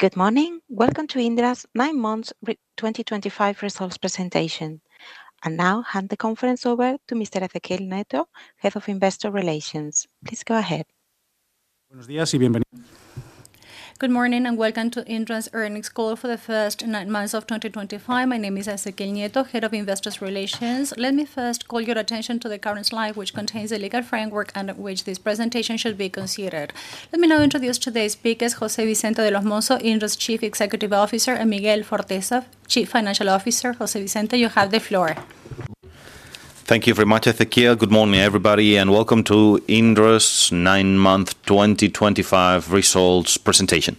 Good morning. Welcome to Indra's nine months 2025 results presentation. I now hand the conference over to Mr. Ezequiel Nieto, Head of Investor Relations. Please go ahead. Good morning and welcome to Indra Sistemas' earnings call for the first nine months of 2025. My name is Ezequiel Nieto, Head of Investor Relations. Let me first call your attention to the current slide, which contains the legal framework under which this presentation should be considered. Let me now introduce today's speakers. José Vicente de los Mozos, Indra Sistemas' Chief Executive Officer, and Miguel Forteza, Chief Financial Officer. José Vicente, you have the floor. Thank you very much, Ezequiel. Good morning everybody and welcome to Indra's nine month 2025 results presentation.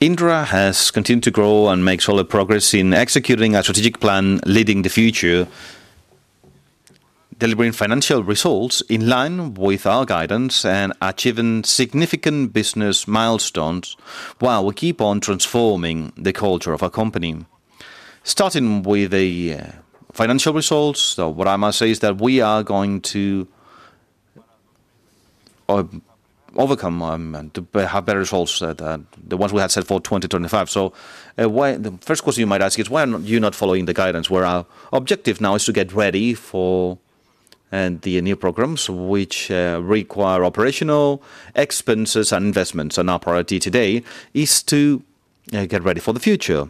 Indra has continued to grow and make solid progress in executing a strategic plan Leading the Future, delivering financial results in line with our guidance and achieving significant business milestones. While we keep on transforming the culture of our company, starting with the financial results. What I must say is that we are going to overcome and to have better results than the ones we had set for 2025. The first question you might ask is why are you not following the guidance where. Our objective now is to get ready for the new programs which require operational expenses and investments and our priority today is to get ready for the future.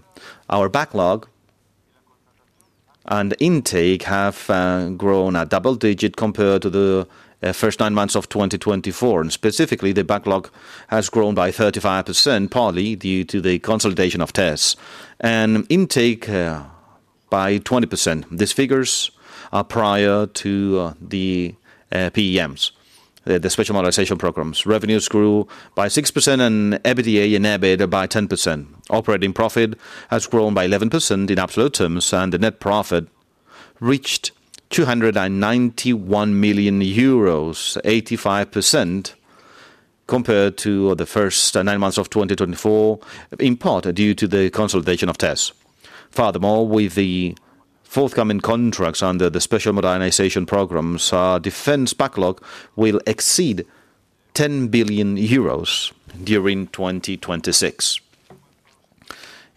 Our backlog and intake have grown at double digit compared to the first nine months of 2024 and specifically the backlog has grown by 35% partly due to the consolidation of TESS and intake by 20%. These figures are prior to the PEMs, the Special Modernization Programs. Revenues grew by 6% and EBITDA by 10%. Operating profit has grown by 11% in absolute terms and the net profit reached 291 million euros compared to the first nine months of 2024, in part due to the consolidation of TESS. Furthermore, with the forthcoming contracts under the Special Modernization Programs, our defense backlog will exceed 10 billion euros during 2026.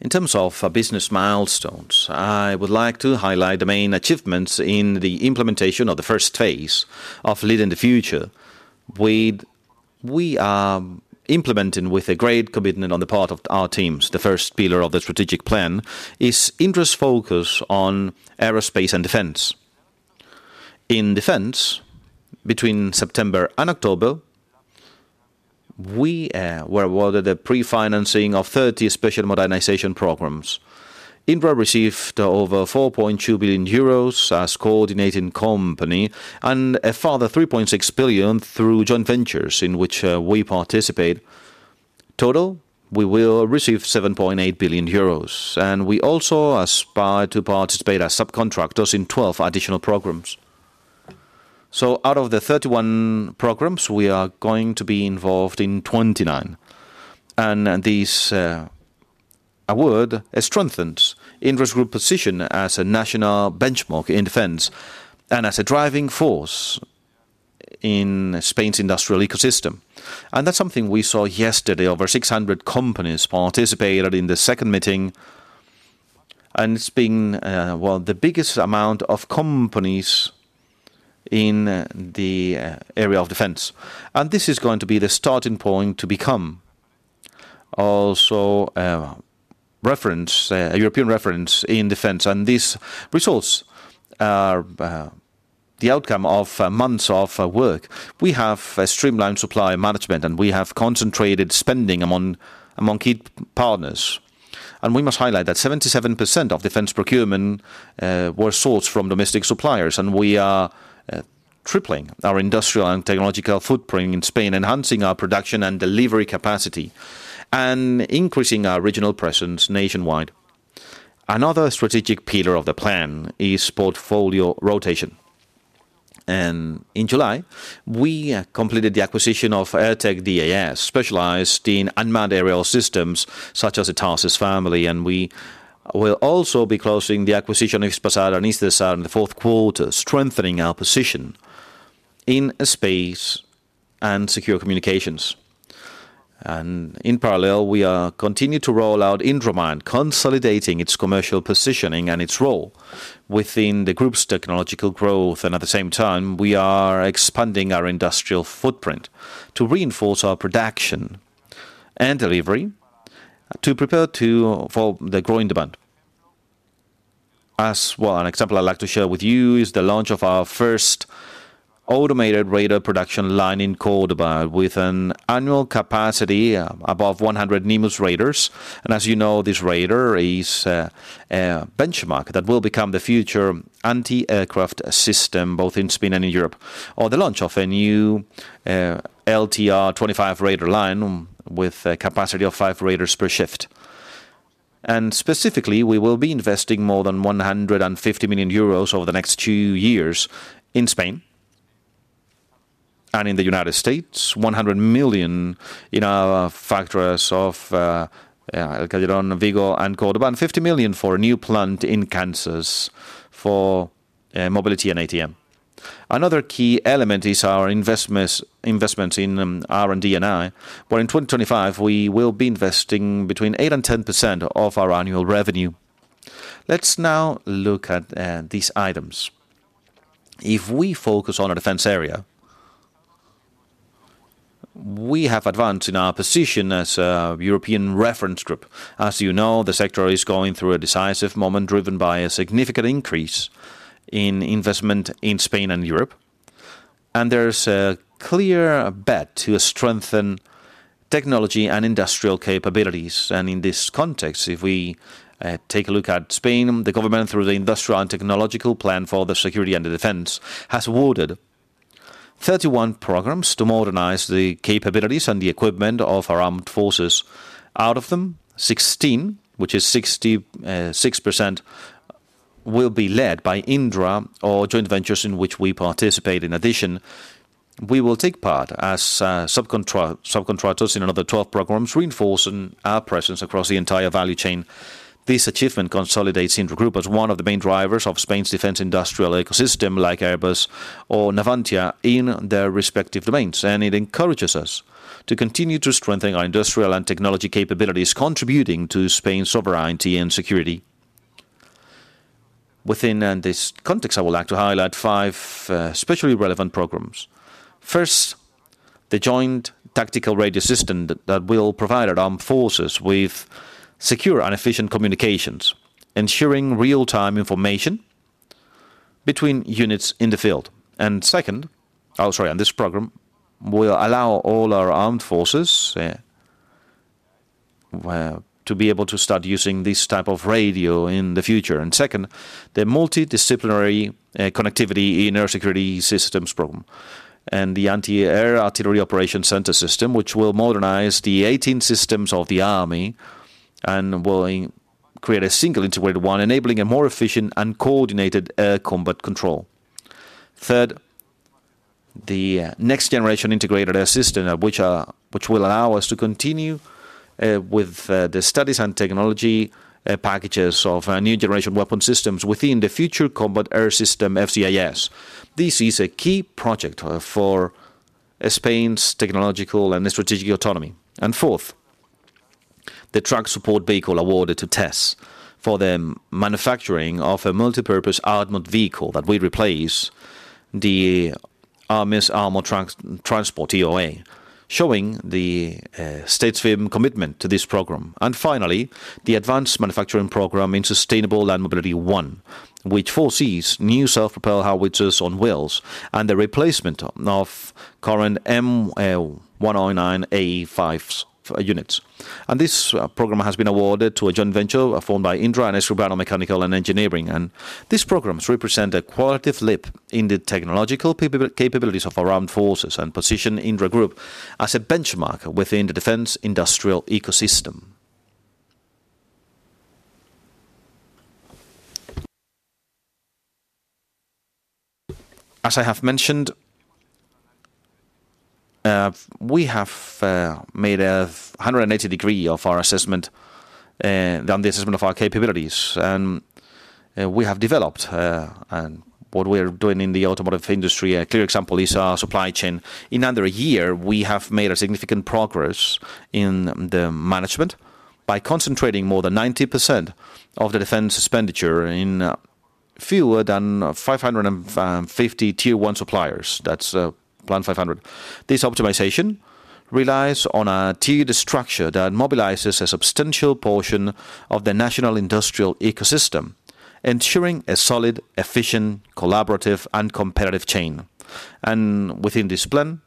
In terms of business milestones, I would like to highlight the main achievements in the implementation of the first phase of Leading the Future. We are implementing with a great commitment on the part of our teams. The first pillar of the strategic plan is Indra's focus on aerospace and defense. In defense, between September and October we were awarded the pre-financing of 30 Special Modernization Programs. Indra received over 4.2 billion euros as coordinating company and a further 3.6 billion through joint ventures in which we participate. In total we will receive 7.8 billion euros and we also aspire to participate as subcontractors in 12 additional programs. Out of the 31 programs, we are going to be involved in 29. This award strengthens Indra's group position as a national benchmark in defense and as a driving force in Spain's industrial ecosystem. That is something we saw yesterday. Over 600 companies participated in the second meeting and it's been the biggest amount of companies in the area of defense. This is going to be the starting point to become also a reference, European reference in defense. These results are the outcome of months of work. We have a streamlined supply management, and we have concentrated spending among key partners. We must highlight that 77% of defense procurement was sourced from domestic suppliers. We are tripling our industrial and technological footprint in Spain, enhancing our production and delivery capacity, and increasing our regional presence nationwide. Another strategic pillar of the plan is portfolio rotation. In July, we completed the acquisition of Airtech D.A.S., specialized in unmanned aerial systems such as the Tarsus family. We will also be closing the acquisition of Hispasat and Isdesat in the fourth quarter, strengthening our position in space and secure communications. In parallel, we are continuing to roll out IndraMind, consolidating its commercial positioning and its role within the group's technological growth. At the same time, we are expanding our industrial footprint to reinforce our production delivery, to prepare for the growing demand as well. An example I'd like to share with you is the launch of our first automated radar production line in Córdoba with an annual capacity above 100 Nimbus radars. As you know, this radar is a benchmark that will become the future anti-aircraft system both in Spain and in Europe. The launch of a new LTR 25 radar line with a capacity of five radars per shift. Specifically, we will be investing more than 150 million euros over the next two years in Spain and in the United States, 100 million in our factories of El Calderón, Vigo, and Córdoba, 50 million for a new plant in Kansas for mobility and atmosphere. Another key element is our investments in R&D, where in 2025 we will be investing between 8% and 10% of our annual revenue. Let's now look at these items. If we focus on a defense area, we have advanced in our position as a European reference group. As you know, the sector is going through a decisive moment driven by a significant increase in investment in Spain and Europe. There is a clear bet to strengthen technology and industrial capabilities. In this context, if we take a look at Spain, the government, through the industrial and technological plan for Security and Defense, has awarded 31 programs to modernize the capabilities and the equipment of our armed forces. Out of them, 16, which is 66%, will be led by Indra or joint ventures in which we participate. In addition, we will take part as subcontractors in another 12 programs, reinforcing our presence across the entire value chain. This achievement consolidates Indra Group as one of the main drivers of Spain's defense industrial ecosystem like Airbus or Navantia in their respective domains. It encourages us to continue to strengthen our industrial and technology capabilities, contributing to Spain's sovereignty and security. Within this context, I would like to highlight five especially relevant programs. First, the Joint Tactical Radio System that will provide our armed forces with secure and efficient communications, ensuring real time information between units in the field. This program will allow all our armed forces to be able to start using this type of radio in the future. Second, the Multidisciplinary Connectivity in Air Security Systems program and the Anti Air Artillery Operation Center System, which will modernize the 18 systems of the army and will create a single integrated one, enabling a more efficient and coordinated air combat control. Third, the next generation Integrated Air System, which will allow us to continue with the studies and technology packages of new generation weapon systems within the future combat air system FCIS. This is a key project for Spain's technological and strategic autonomy. Fourth, the Track Support Vehicle awarded to TESS for the manufacturing of a multipurpose armored vehicle that will replace the army's armored transport, showing the state's firm commitment to this program. Finally, the advanced manufacturing program in sustainable land mobility one, which foresees new self-propelled howitzers on wheels and the replacement of current M109A5 units. This program has been awarded to a joint venture formed by Indra and Escribano Mechanical & Engineering. These programs represent a qualitative leap in the technological capabilities of our armed forces and position Indra Group as a benchmark within the defense industrial ecosystem. As I have mentioned, we have made a 180 degree of our assessment on the assessment of our capabilities and we have developed and what we are doing in the automotive industry. A clear example is our supply chain. In under a year we have made significant progress in the management by concentrating more than 90% of the defense expenditure in fewer than 550 Tier 1 suppliers. That's Plan 500. This optimization relies on a tiered structure that mobilizes a substantial portion of the national industrial ecosystem, ensuring a solid, efficient, collaborative, and competitive chain. Within this plan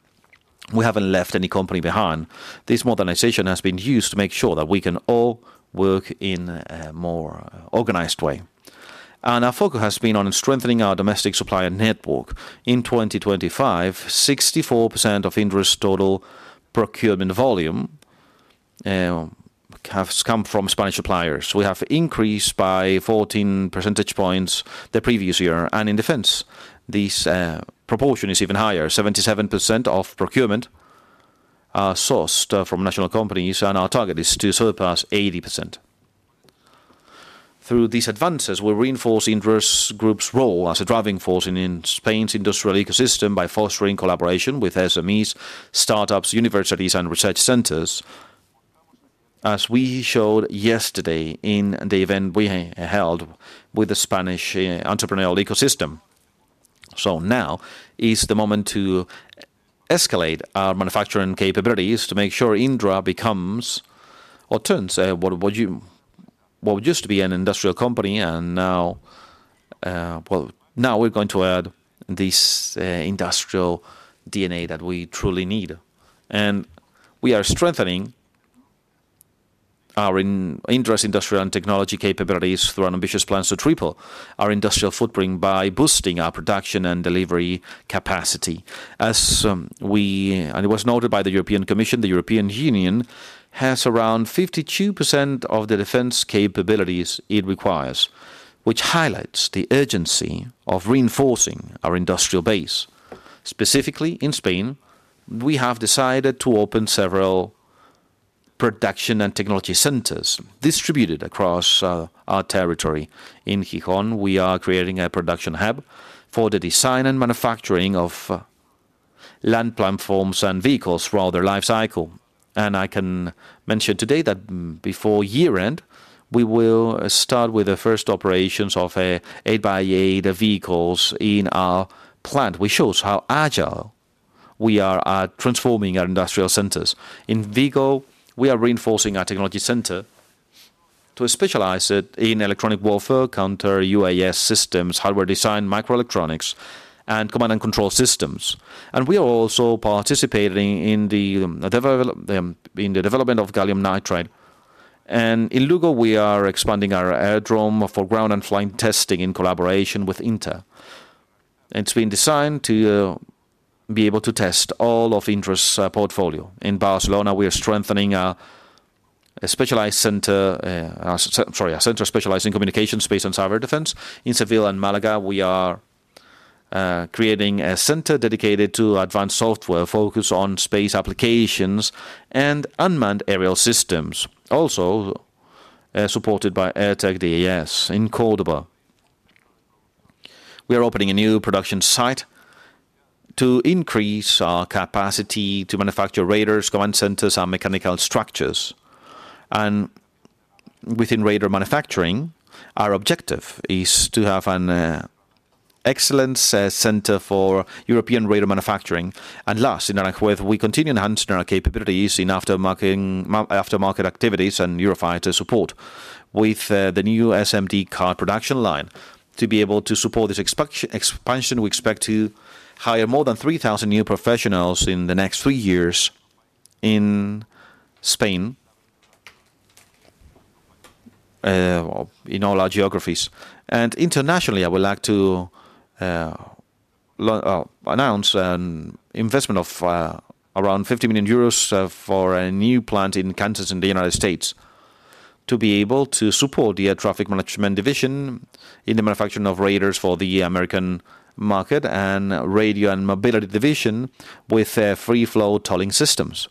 we haven't left any company behind. This modernization has been used to make sure that we can all work in a more organized way. Our focus has been on strengthening our domestic supplier network. In 2025, 64% of Indra's total procurement volume have come from Spanish suppliers. We have increased by 14 percentage points the previous year. In defense this proportion is even higher. 77% of procurement sourced from national companies and our target is to surpass 80%. Through these advances, we reinforce Indra's group's role as a driving force in Spain's industrial ecosystem by fostering collaboration with SMEs, startups, universities, and research centers, as we showed yesterday in the event we held with the Spanish entrepreneurial ecosystem. Now is the moment to escalate our manufacturing capabilities to make sure Indra becomes or turns what used to be an industrial company. Now, we are going to add this industrial DNA that we truly need. We are strengthening Indra's industrial and technology capabilities through an ambitious plan to triple our industrial footprint by boosting our production and delivery capacity. As was noted by the European Commission, the European Union has around 52% of the defense capabilities it requires, which highlights the urgency of reinforcing our industrial base. Specifically in Spain, we have decided to open several production and technology centers distributed across our territory. In Gijón, we are creating a production hub for the design and manufacturing of land platforms and vehicles throughout their life cycle. I can mention today that before year end we will start with the first operations of 8x8 vehicles in our plant, which shows how agile we are at transforming our industrial centers. In Vigo, we are reinforcing our technology center to specialize in electronic warfare, counter UAS systems, hardware design, microelectronics, and command and control systems. We are also participating in the development of gallium nitride. In Lugo, we are expanding our aerodrome for ground and flying testing. In collaboration with Indra, it's been designed to be able to test all of Indra's portfolio. In Barcelona, we are strengthening a center specialized in communications, space, and cyber defense. In Seville and Malaga, we are creating a center dedicated to advanced software focused on space applications and unmanned aerial systems, also supported by Airtech D.A.S. In Córdoba, we are opening a new production site to increase our capacity to manufacture radars, command centers, and mechanical structures. Within radar manufacturing, our objective is to have an excellent center for European radar manufacturing. Last, in Aranjuez, we continue enhancing our capabilities in aftermarket activities and Eurofighter support with the new SMD card production line. To be able to support this expansion, we expect to hire more than 3,000 new professionals in the next three years in Spain, in all our geographies, and internationally. I would like to announce an investment of around 50 million euros for a new plant in Kansas, United States., to be able to support the Air Traffic Management Division in the manufacturing of radars for the American market and Radio and Mobility Division with free flow tolling systems.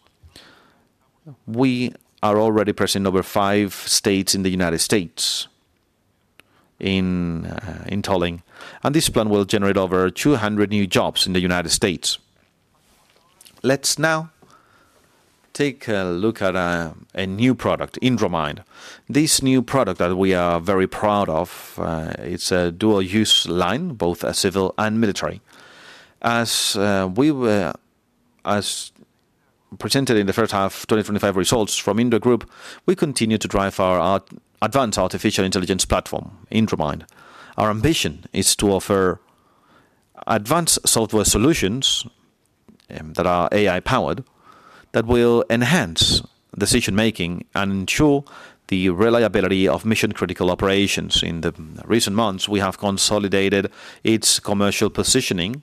We are already present in over five states in the United States. in tolling, and this plant will generate over 200 new jobs in the United States. Let's now take a look at a new product, IndraMind. This new product that we are very proud of is a dual use line, both civil and military. As presented in the first half 2025 results from Indra Group, we continue to drive our advanced artificial intelligence platform IndraMind. Our ambition is to offer advanced software solutions that are AI powered, that will enhance decision making and ensure the reliability of mission critical operations. In the recent months, we have consolidated its commercial positioning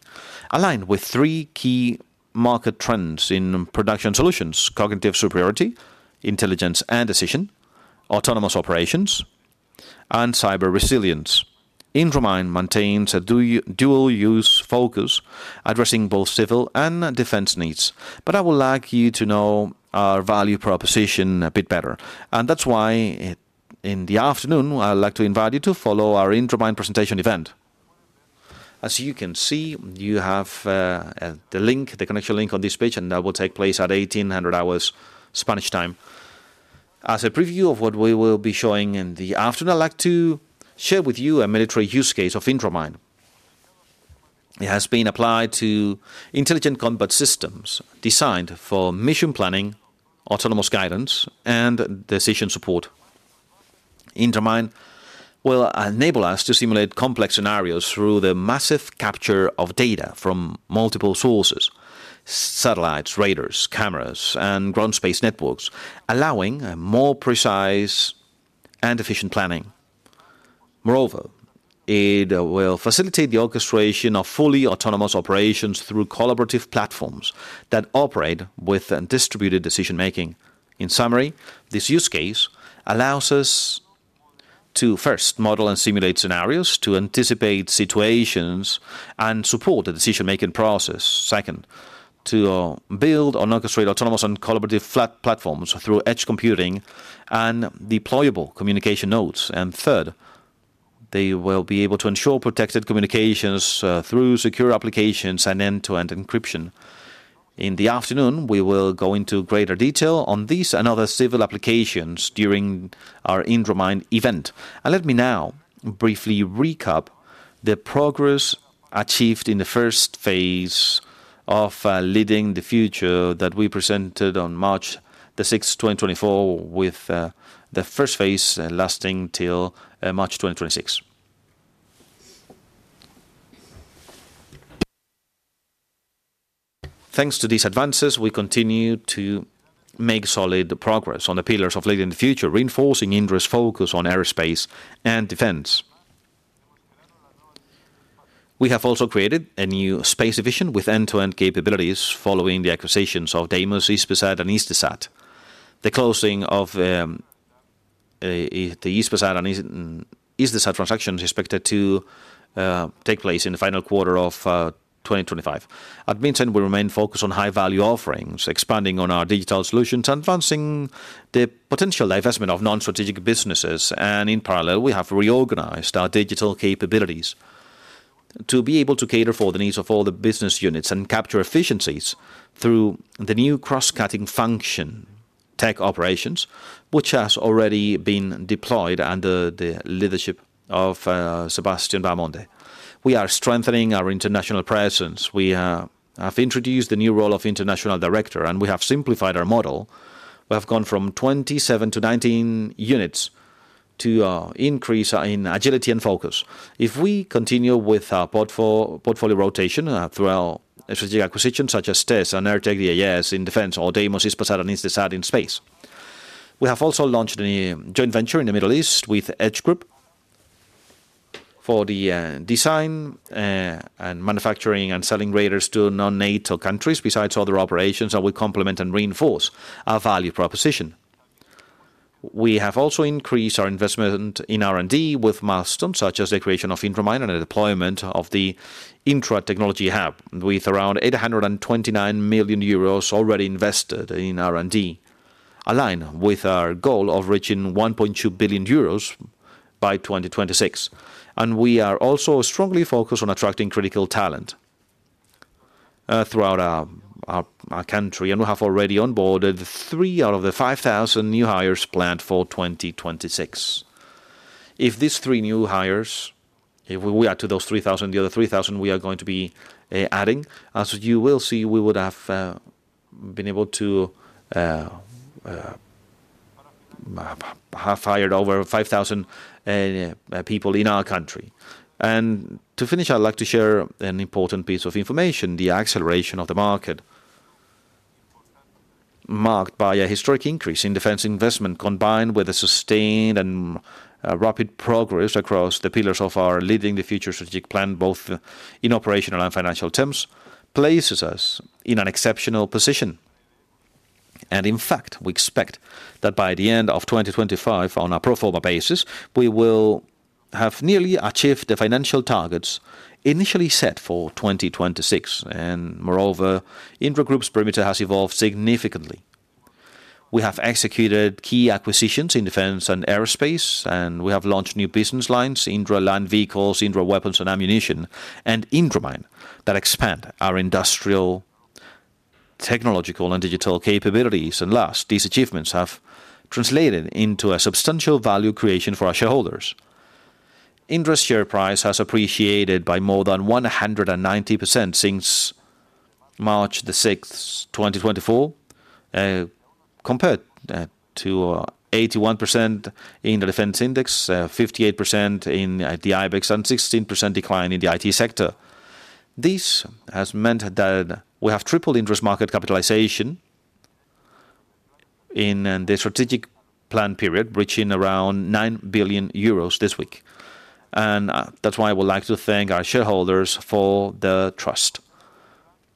aligned with three key market trends in production solutions: cognitive superiority, intelligence and decision, autonomous operations, and cyber resilience. IndraMind maintains a dual use focus addressing both civil and defense needs, but I would like you to know our value proposition a bit better, and that's why in the afternoon I'd like to invite you to follow our IndraMind presentation event. As you can see, you have the connection link on this page, and that will take place at 18:00 hours Spanish time. As a preview of what we will be showing in the afternoon, I'd like to share with you a military use case of IndraMind. It has been applied to intelligent combat systems designed for mission planning, autonomous guidance, and decision support. IndraMind will enable us to simulate complex scenarios through the massive capture of data from multiple sources, satellites, radars, cameras, and ground space networks, allowing a more precise and efficient planning. Moreover, it will facilitate the orchestration of fully autonomous operations through collaborative platforms that operate with distributed decision making. In summary, this use case allows us to first model and simulate scenarios to anticipate situations and support the decision making process, second, to build and orchestrate autonomous and collaborative platforms through edge computing and deployable communication nodes, and third, they will be able to ensure protected communications through secure applications and end-to-end encryption. In the afternoon, we will go into greater detail on these and other civil applications during our IndraMind event. Let me now briefly recap the progress achieved in the first phase of Leading the Future that we presented on March 6th, 2024, with the first phase lasting till March 2026. Thanks to these advances, we continue to make solid progress on the pillars of Leading the Future. Reinforcing Indra's focus on aerospace and defense, we have also created a new space division with end-to-end capabilities following the acquisitions of Deimos, Hispasat, and Isdesat. The closing of the Isdesat transaction is expected to take place in the final quarter of 2025. At Minsait, we remain focused on high value offerings, expanding on our digital solutions and advancing the potential divestment of non-strategic businesses. In parallel, we have reorganized our digital capabilities to be able to cater for the needs of all the business units and capture efficiencies. Through the new cross-cutting function tech operations, which has already been deployed under the leadership of Sebastián Valmonte, we are strengthening our international presence. We have introduced the new role of International Director, and we have simplified our model. We have gone from 27 to 19 units to increase in agility and focus. If we continue with our portfolio rotation throughout strategic acquisitions such as TESS and Airtech D.A.S. in defense or Deimos, Hispasat, and Isdesat in space, we have also launched a joint venture in the Middle East with Edge Group for the design, manufacturing, and selling of radars to non-NATO countries. Besides other operations that will complement and reinforce our value proposition, we have also increased our investment in R&D with milestones such as the creation of IndraMind and the deployment of the Indra Technology Hub. With around 829 million euros already invested in R&D, aligned with our goal of reaching 1.2 billion euros by 2026, we are also strongly focused on attracting critical talent throughout our country. We have already onboarded 3,000 out of the 5,000 new hires planned for 2026. If these 3,000 new hires, if we add to those 3,000 the other 3,000 we are going to be adding, as you will see, we would have been able to have hired over 5,000 people in our country. To finish, I'd like to share an important piece of information. The acceleration of the market, marked by a historic increase in defense investment, combined with sustained and rapid progress across the pillars of our Leading the Future strategic plan, both in operational and financial terms, places us in an exceptional position. In fact, we expect that by the end of 2025, on a pro forma basis, we will have nearly achieved the financial targets initially set for 2026. Moreover, Indra Group's perimeter has evolved significantly. We have executed key acquisitions in defense and aerospace, and we have launched new business lines, Indra Land Vehicles, Indra Weapons and Ammunition, and IndraMind, that expand our industrial, technological, and digital capabilities. These achievements have translated into substantial value creation for our shareholders. Indra's share price has appreciated by more than 190% since March the 6th, 2024, compared to 81% in the defense index, 58% in the IBEX, and a 16% decline in the IT sector. This has meant that we have tripled Indra's market capitalization in the Strategic Plan period, reaching around 9 billion euros this week. I would like to thank our shareholders for the trust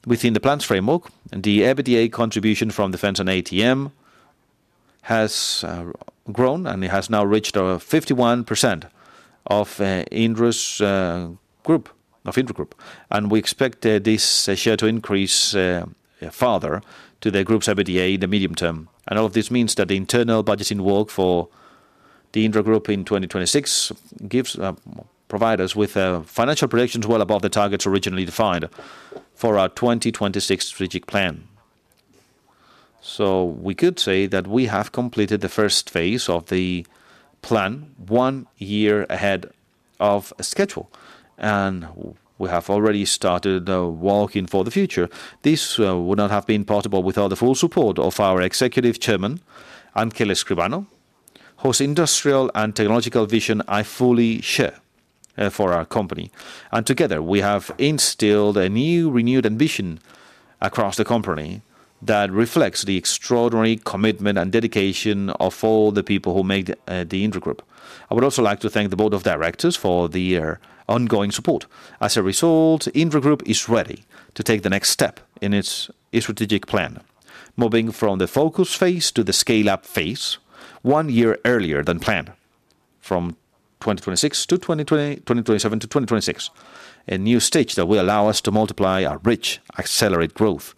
within the plan's framework. The EBITDA contribution from defense and ATM has grown, and it has now reached 51% of Indra Group. We expect this share to increase further to the group's EBITDA in the medium term. All of this means that the internal budgeting work for the Indra Group in 2026 provides us with financial predictions well above the targets originally defined for our 2026 strategic plan. We could say that we have completed the first phase of the plan one year ahead of schedule and we have already started walking for the future. This would not have been possible without the full support of our Executive Chairman Ángel Escribano, whose industrial and technological vision I fully share for our company. Together we have instilled a renewed ambition across the company that reflects the extraordinary commitment and dedication of all the people who make the Indra Group. I would also like to thank the Board of Directors for their ongoing support. As a result, Indra Group is ready to take the next step in its strategic plan, moving from the focus phase to the scale up phase I year earlier than planned, from 2026 to 2023, 2027 to 2026. This new stage will allow us to multiply our reach, accelerate growth,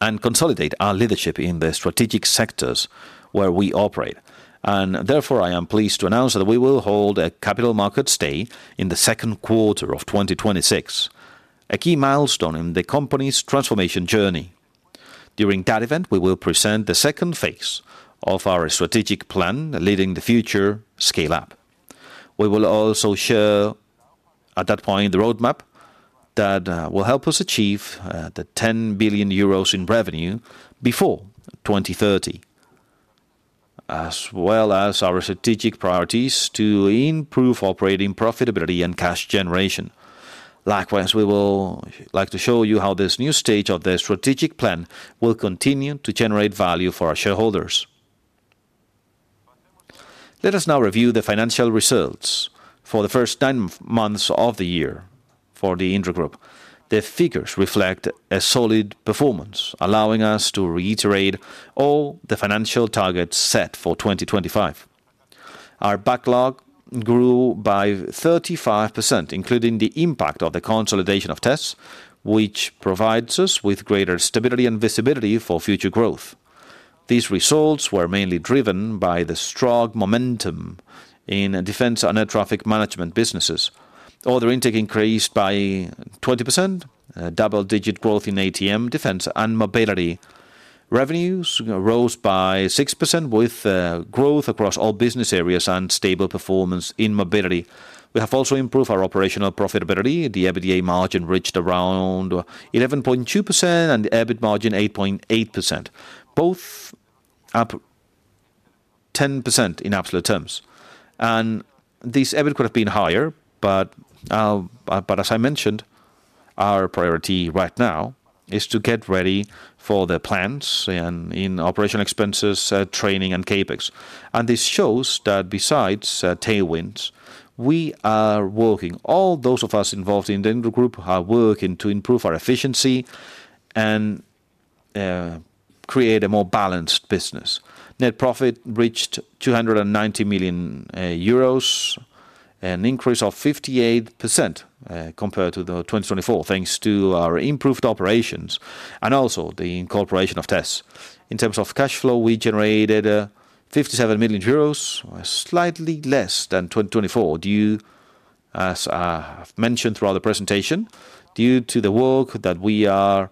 and consolidate our leadership in the strategic sectors where we operate. Therefore, I am pleased to announce that we will hold a Capital Markets Day in the second quarter of 2026, a key milestone in the company's transformation journey. During that event, we will present the second phase of our strategic plan, Leading the Future Scale Up. We will also share at that point the roadmap that will help us achieve the 10 billion euros in revenue before 2030, as well as our strategic priorities to improve operating profitability and cash generation. Likewise, we would like to show you how this new stage of the strategic plan will continue to generate value for our shareholders. Let us now review the financial results for the first nine months of the year for the Indra Group. The figures reflect a solid performance, allowing us to reiterate all the financial targets set for 2025. Our backlog grew by 35%, including the impact of the consolidation of TESS, which provides us with greater stability and visibility for future growth. These results were mainly driven by the strong momentum in defense and air traffic management systems businesses. Order intake increased by 20%. Double-digit growth in air traffic management, defense, and mobility revenues rose by 6%, with growth across all business areas and stable performance in mobility. We have also improved our operational profitability. The EBITDA margin reached around 11.2% and the EBIT margin 8.8%, both up 10% in absolute terms, and this EBIT could have been higher. As I mentioned, our priority right now is to get ready for the plans in operation, expenses, training, and CapEx. This shows that besides tailwinds, we are working. All those of us involved in Indra Group are working to improve our efficiency and create a more balanced business. Net profit reached 290 million euros, an increase of 58% compared to 2024, thanks to our improved operations and also the incorporation of TESS. In terms of cash flow, we generated 57 million euros, slightly less than 2024, due, as mentioned throughout the presentation, to the work that we are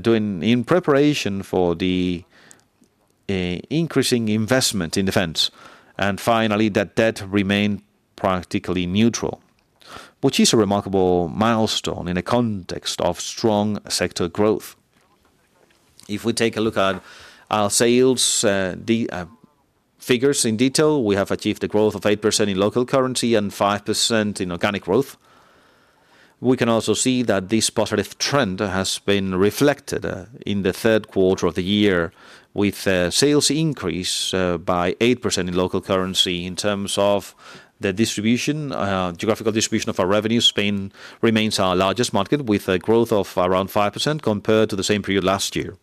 doing in preparation for the increasing investment in defense. Finally, net debt remained practically neutral, which is a remarkable milestone in a context of strong sector growth. If we take a look at our sales figures in detail, we have achieved a growth of 8% in local currency and 5% in organic growth. We can also see that this positive trend has been reflected in the third quarter of the year, with sales increased by 8% in local currency. In terms of the geographical distribution of our revenues, Spain remains our largest market with a growth of around 5% compared to the same period last year.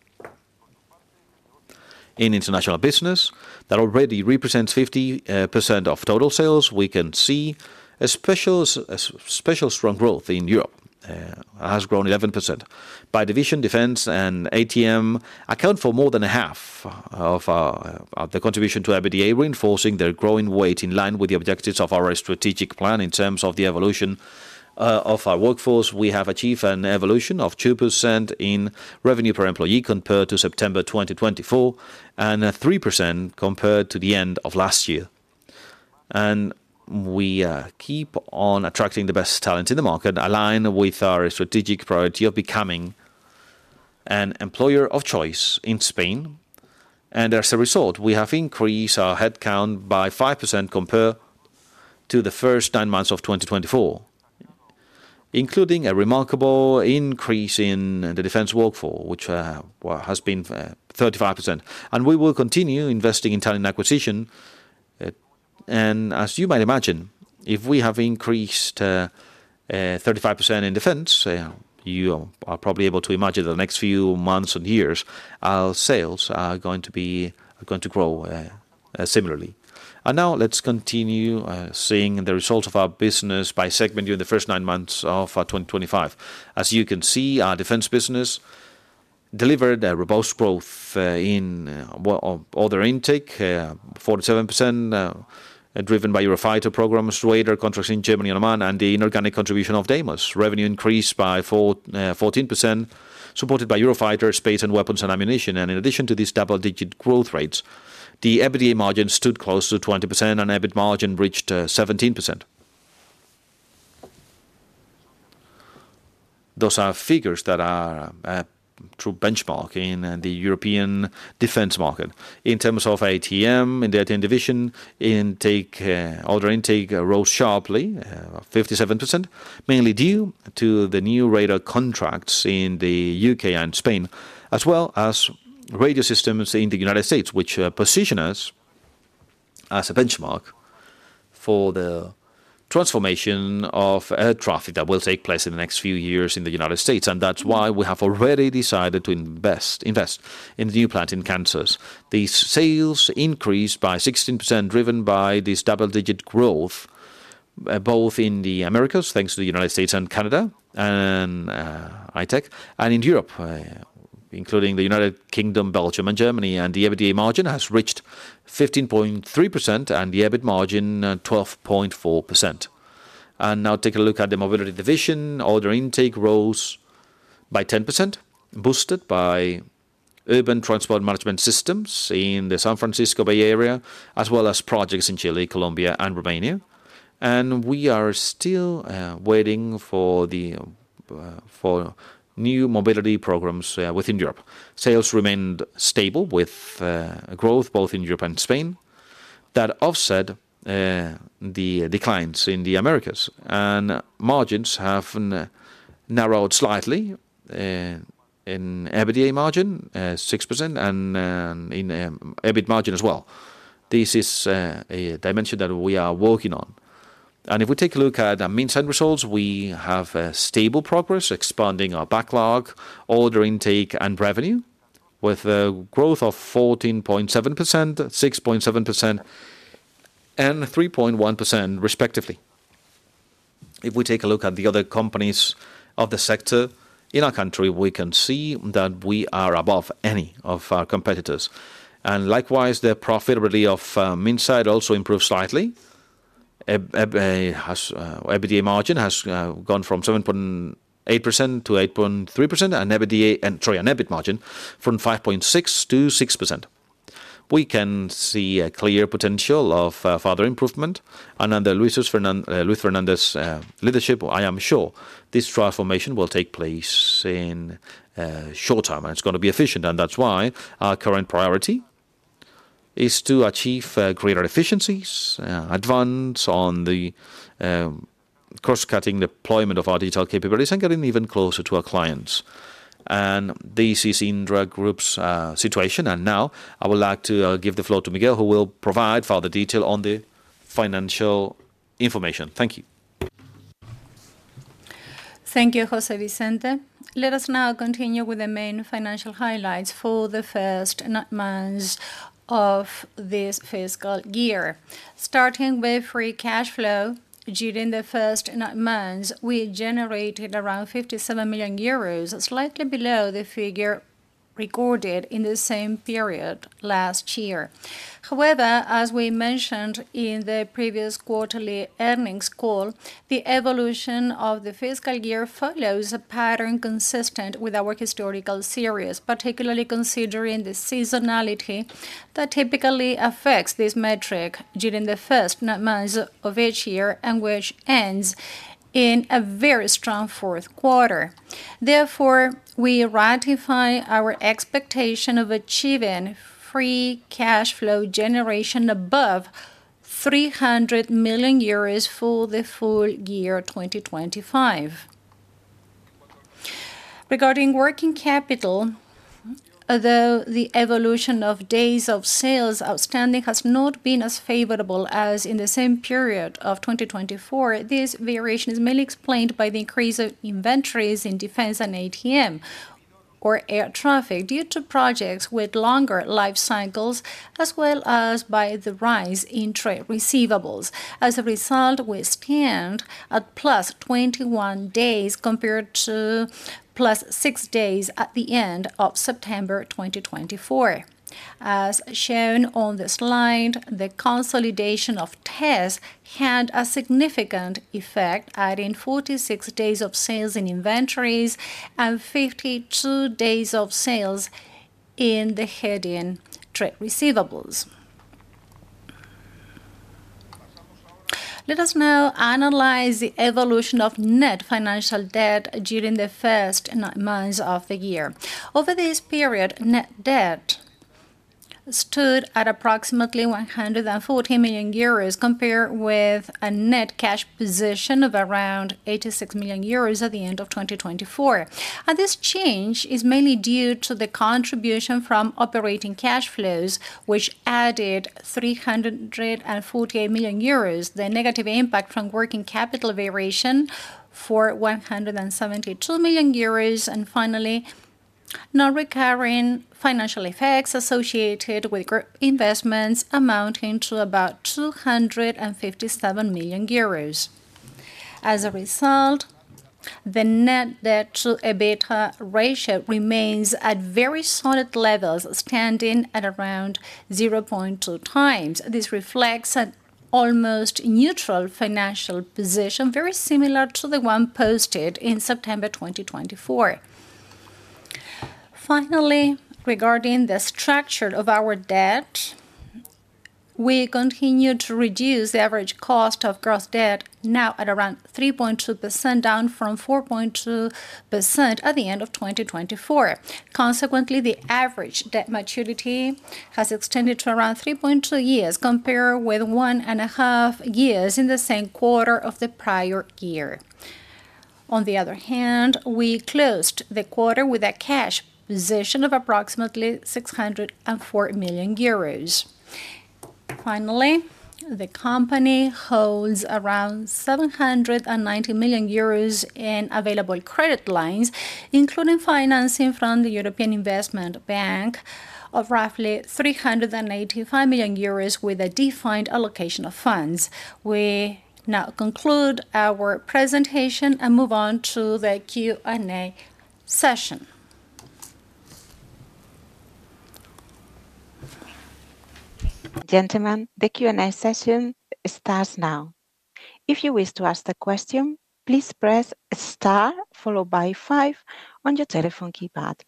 In international business that already represents 50% of total sales, we can see especially strong growth in Europe, which has grown 11%. By division, Defense and ATM account for more than half of the contribution to EBITDA, reinforcing their growing weight in line with the objectives of our strategic plan. In terms of the evolution of our workforce, we have achieved an evolution of 2% in revenue per employee compared to September 2024 and 3% compared to the end of last year. We keep on attracting the best talent in the market, aligned with our strategic priority of becoming an employer of choice in Spain. As a result, we have increased our headcount by 5% compared to the first nine months of 2024, including a remarkable increase in the defense workforce, which has been 35%. We will continue investing in talent acquisition. If we have increased 35% in defense, you are probably able to imagine in the next few months and years our sales are going to grow similarly. Now let's continue seeing the results of our business by segment. During the first nine months of 2020, as you can see, our defense business delivered robust growth in order intake, 47% driven by Eurofighter programs, radar contracts in Germany and Oman, and the inorganic contribution of Deimos. Revenue increased by 14% supported by Eurofighter, space, and weapons and ammunition. In addition to these double-digit growth rates, the EBITDA margin stood close to 20% and EBIT margin reached 17%. Those are figures that are a true benchmark in the European defense market. In terms of ATM, in the ATM division, order intake rose sharply, 57%, mainly due to the new radar contracts in the U.K. and Spain, as well as radio systems in the United States., which position us as a benchmark for the transformation of air traffic that will take place in the next few years in the United States. That is why we have already decided to invest in the new plant in Kansas. These sales increased by 16% driven by this double-digit growth both in the Americas, thanks to the United Sates. and Canada and ITech, and in Europe, including the United Kingdom, Belgium, and Germany. The EBITDA margin has reached 15.3% and the EBIT margin 12.4%. Now take a look at the mobility division. Order intake rose by 10% boosted by urban transport management systems in the San Francisco Bay Area as well as projects in Chile, Colombia, and Romania. We are still waiting for new mobility programs within Europe. Sales remained stable with growth both in Europe and Spain that offset the declines in the Americas. Margins have narrowed slightly in EBITDA margin, 6%, and in EBIT margin as well. This is a dimension that we are working on. If we take a look at Minsait end results, we have stable progress expanding our backlog, order intake, and revenue with growth of 14.7%, 6.7%, and 3.1% respectively. If we take a look at the other companies of the sector in our country, we can see that we are above any of our competitors. Likewise, the profitability of Minsait also improved slightly. EBITDA margin has gone from 7.8% to 8.3% and EBIT margin from 5.6% to 6%. We can see a clear potential of further improvement and under Luis Fernandes leadership I am sure this transformation will take place in short term and it's going to be efficient. That is why our current priority is to achieve greater efficiencies, advance on the cross-cutting deployment of our digital capabilities, and getting even closer to our clients. This is Indra Group's situation. I would like to give the floor to Miguel, who will provide further detail on the financial information. Thank you. Thank you, José Vicente. Let us now continue with the main financial highlights for the first nine months of this fiscal year, starting with free cash flow. During the first nine months we generated around 57 million euros, slightly below the figure recorded in the same period last year. However, as we mentioned in the previous quarterly earnings call, the evolution of the fiscal year follows a pattern consistent with our historical series, particularly considering the seasonality that typically affects this metric during the first months of each year and which ends in a very strong fourth quarter. Therefore, we ratify our expectation of achieving free cash flow generation above 300 million euros for the full year 2025. Regarding working capital, although the evolution of days of sales outstanding has not been as favorable as in the same period of 2024, this variation is mainly explained by the increase of inventories in Defense systems and air traffic management due to projects with longer life cycles as well as by the rise in trade receivables. As a result, we stand at +21 days compared to +6 days at the end of September 2024. As shown on the slide, the consolidation of TESS had a significant effect, adding 46 days of sales in inventories and 52 days of sales in the heading trade receivables. Let us now analyze the evolution of net financial debt during the first months of the year. Over this period, net debt stood at approximately 114 million euros compared with a net cash position of around 86 million euros at the end of 2024. This change is mainly due to the contribution from operating cash flows which added 348 million euros, the negative impact from working capital variation for 172 million euros, and finally non-recurring financial effects associated with investments amounting to about 257 million euros. As a result, the net debt to EBITDA ratio remains at very solid levels standing at around 0.2x. This reflects an almost neutral financial position very similar to the one posted in September 2024. Finally, regarding the structure of our debt, we continue to reduce the average cost of gross debt, now at around 3.2%, down from 4.2% at the end of 2024. Consequently, the average debt maturity has extended to around 3.2 years, compared with 1.5 years in the same quarter of the prior year. On the other hand, we closed the quarter with a cash position of approximately 604 million euros. Finally, the company holds around 790 million euros in available credit lines, including financing from the European Investment Bank of roughly 385 million euros with a defined allocation of funds. We now conclude our presentation and move on to the Q&A session. Gentlemen, the &A session starts now. If you wish to ask the question, please press star followed by five on your telephone keypad.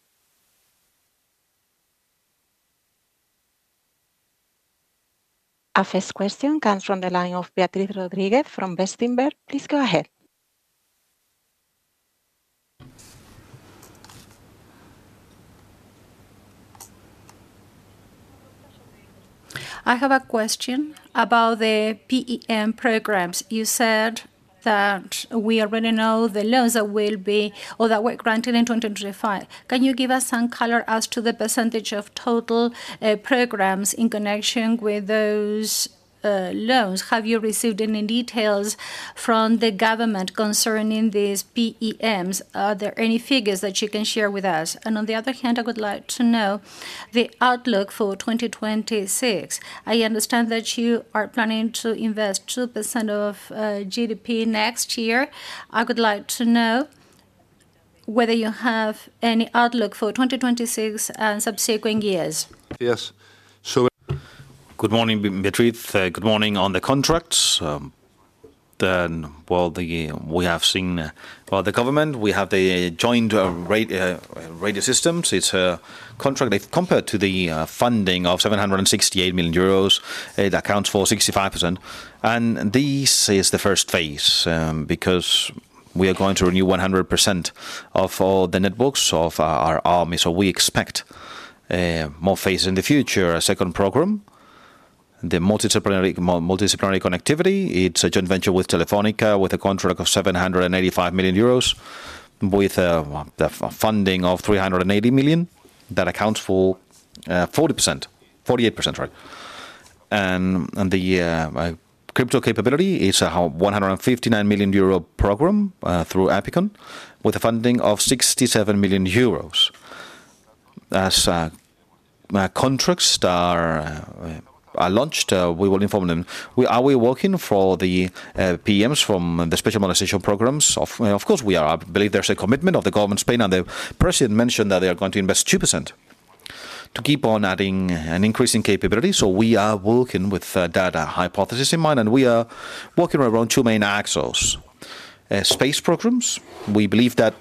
Our first question comes from the line of Beatriz Rodriguez from Bestinver. Please go ahead. I have a question about the PEMs. You said that we already know the loans that will be or that were granted in 2025. Can you give us some color as to the percentage of total programs in connection with those loans? Have you received any details from the government concerning these PEMs? Are there any figures that you can share with us? On the other hand, I would like to know the outlook for 2026. I understand that you are planning to invest 2% of GDP next year. I would like to know whether you have any outlook for 2026 and subsequent years. Yes, so. Good morning, Beatriz. Good morning. On the contracts, we have seen the government, we have the joint radio systems. It's a contract. Compared to the funding of 768 million euros, it accounts for 65%. This is the first phase because we are going to renew 100% of all the networks of our army. We expect more phases in the future. A second program, the Multidisciplinary Connectivity, it's a joint venture with Telefonica with a contract of 785 million euros. With the funding of 380 million, that accounts for 48%. The crypto capability is a 159 million euro program through APICON with a funding of 67 million euros. As contracts are launched, we will inform them. Are we working for the PEMs from the Special Modernization Programs? Of course we are. I believe there's a commitment of the government. Spain and the president mentioned that they are going to invest 2% to keep on adding and increasing capability. We are working with that hypothesis in mind and we are working around two main space programs. We believe that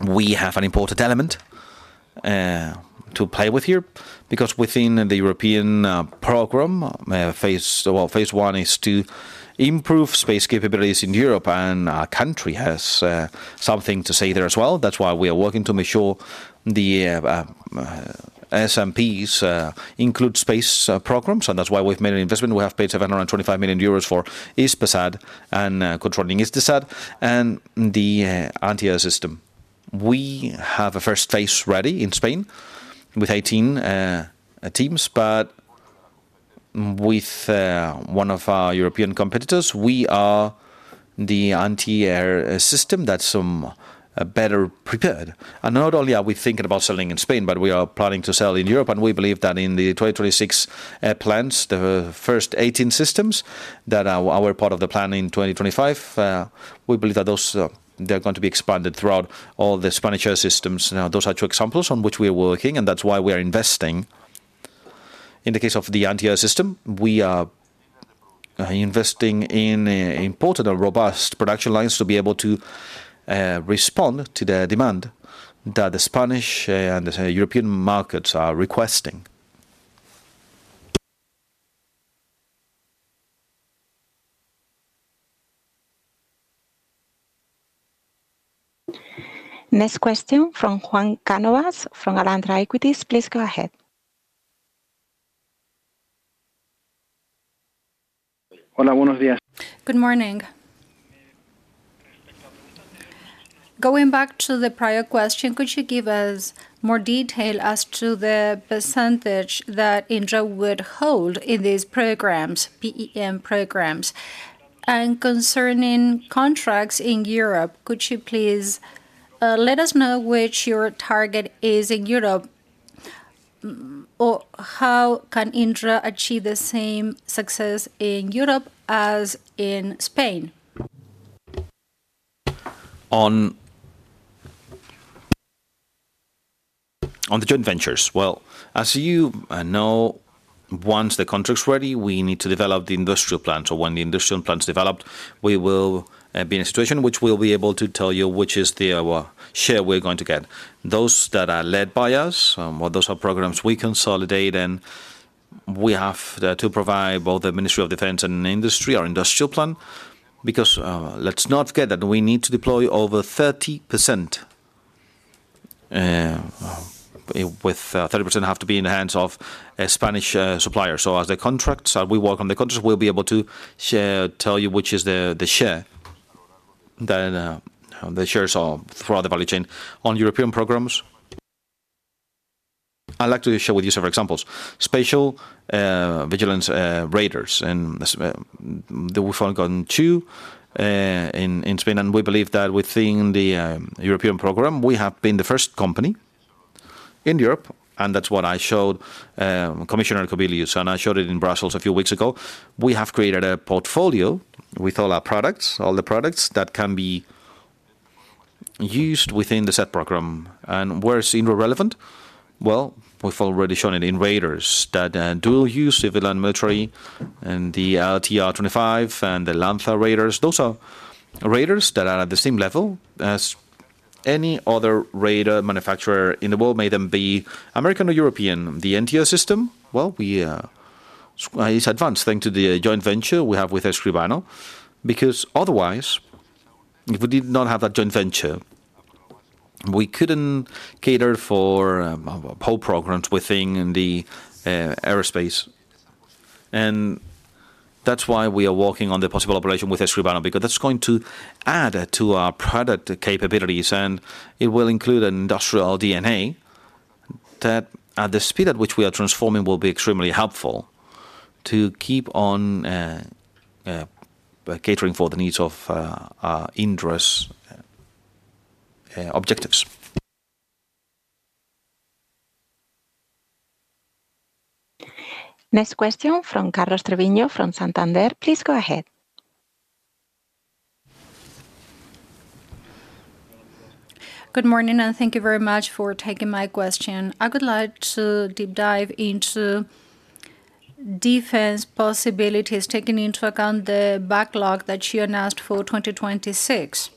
we have an important element to play with here, because within the European program, phase one is to improve space capabilities in Europe and our country has something to say there as well. That's why we are working to make sure the SMBs include space programs. That's why we've made an investment. We have paid 725 million euros for Hispasat and controlling Isdesat and the anti-air system. We have a first phase ready in Spain with 18 teams. With one of our European competitors, we are the anti-air system that's better prepared. Not only are we thinking about selling in Spain, we are planning to sell in Europe. We believe that in the 2026 plans, the first 18 systems that were part of the plan in 2025, we believe that those are going to be expanded throughout all the Spanish air systems. Those are two examples on which we are working. That's why we are investing. In the case of the anti-air system, we are investing in important and robust production lines to be able to respond to the demand that the Spanish and European markets are requesting. Next question from Juan Cánovas from Alantra Equities. Please go ahead. Good morning. Going back to the prior question, could you give us more detail as to the % that Indra would hold in these programs, PEM programs, and concerning contracts in Europe, could you please let us know which your target is in Europe or how can Indra achieve the same success in Europe as in Spain. On the joint ventures? As you know, once the contract's ready, we need to develop the industrial plan. When the industrial plan is developed, we will be in a situation which will be able to tell you which is the share we're going to get. Those that are led by us, those are programs we consolidate and we have to provide both the Ministry of Defence and Industry our industrial plan. Let's not forget that we need to deploy over 30%. With 30% have to be in the hands of a Spanish supplier. As the contracts, we work on the contracts, we'll be able to tell you which is the share, then the shares throughout the value chain. On European programs, I'd like to share with you several examples: Spatial Vigilance Radars, and we've only gotten two in Spain, and we believe that within the European program we have been the first company in Europe, and that's what I showed Commissioner Kubilius and I showed it in Brussels a few weeks ago. We have created a portfolio with all our products, all the products that can be used within the set program. Where is Indra relevant? We've already shown it in radars, that dual use, the civil and military, and the LTR 25 and the Lanza radars. Those are radars that are at the same level as any other radar manufacturer in the world, may them be American or European. The NTO system is advanced thanks to the joint venture we have with Escribano. If we did not have that joint venture, we couldn't cater for whole programs within the aerospace. That is why we are working on the possible operation with Escribano, because that's going to add to our product capabilities and it will include industrial DNA that the speed at which we are transforming will be extremely helpful to keep on catering for the needs of Indra's objectives. Next question from Carlos Treviño from Santander. Please go ahead. Good morning and thank you very much for taking my question. I would like to deep dive into defense possibilities. Taking into account the backlog that you announced for 2026,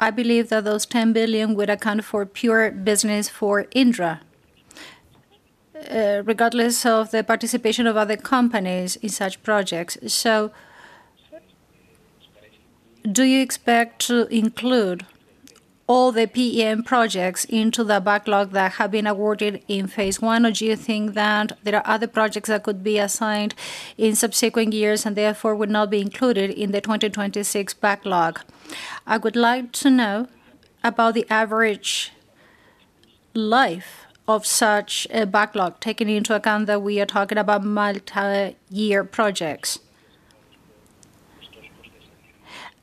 I believe that those 10 billion would account for pure business for Indra, regardless of the participation of other companies in such projects. Do you expect to include all the PEMs projects into the backlog that have been awarded in phase one, or do you think that there are other projects that could be assigned in subsequent years and therefore would not be included in the 2026 backlog? I would like to know about the average life of such backlog. Taking into account that we are talking about multi-year projects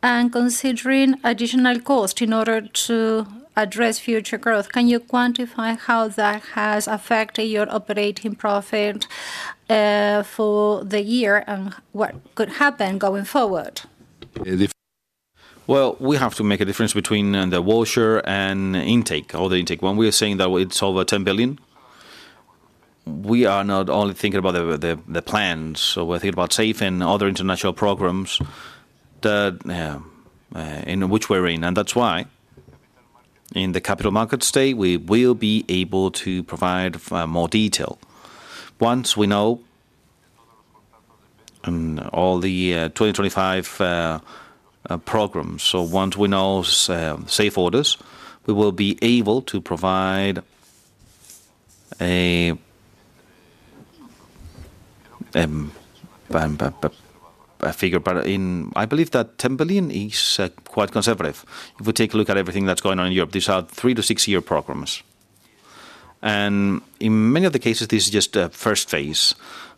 and considering additional cost in order to address future growth, can you quantify how that has affected your operating profit for the year and what could happen going forward? We have to make a difference between the washer and intake or the intake one. We are saying that it's over 10 billion. We are not only thinking about the plans, we're thinking about SAFE and other international programs in which we're in. That's why in the Capital Markets Day we will be able to provide more detail once we know all the 2025 programs. Once we know SAFE orders, we will be able to provide a figure. I believe that 10 billion is quite conservative. If we take a look at everything that's going on in Europe, these are three to six year programs and in many of the cases this is just a first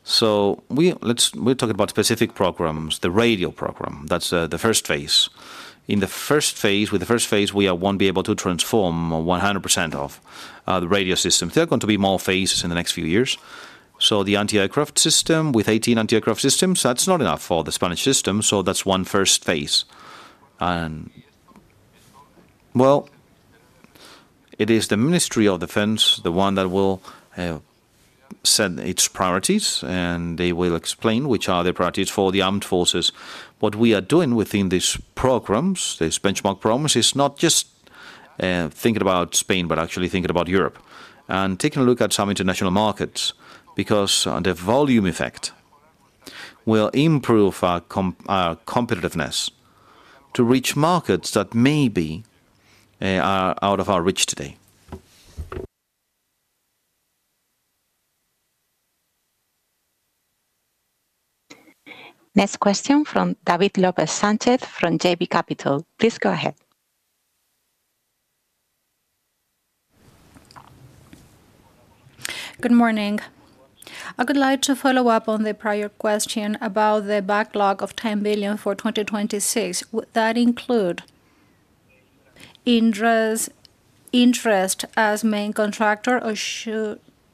phase. We're talking about specific programs. The radio program, that's the first phase. In the first phase, we won't be able to transform 100% of the radio systems. There are going to be more phases in the next few years. The anti aircraft system with 18 anti aircraft systems, that's not enough for the Spanish system. That's one first phase. It is the Ministry of Defense, the one that will set its priorities and they will explain which are the priorities for the armed forces. What we are doing within these programs, these benchmark programs, is not just thinking about Spain, but actually thinking about Europe and taking a look at some international markets. The volume effect will improve our competitiveness to reach markets that maybe are out of our reach today. Next question from David López Sánchez from JB Capital. Please go ahead. Good morning. I would like to follow up on the prior question about the backlog of 10 billion for 2026. Would that include Indra's interest as main contractor or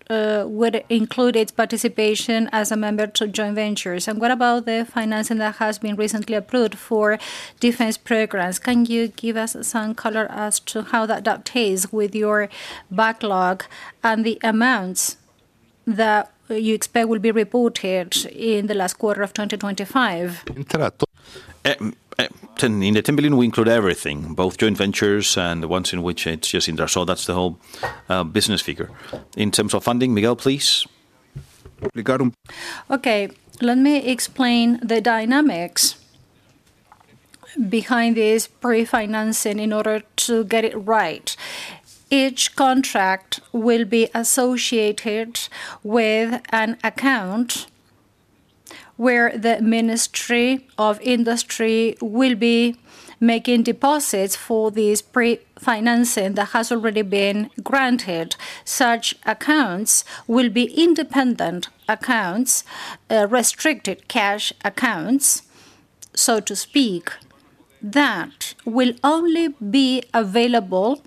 would it include its participation as a member to joint ventures? What about the financing that has been recently approved for defense programs? Can you give us some color as to how that dovetails with your backlog and the amounts that you expect will be reported in the last quarter of 2025? In the EUR 10 billion we include everything, both joint ventures and the ones in which it's just Indra. That's the whole business figure in terms of funding. Miguel, please. Okay, let me explain the dynamics behind this pre-financing. In order to get it right, each contract will be associated with an account where the Ministry of Industry will be making deposits for these pre-financing that has already been granted. Such accounts will be independent accounts, restricted cash accounts, so to speak, that will only be available